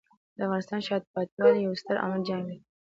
د افغانستان د شاته پاتې والي یو ستر عامل جنګ دی.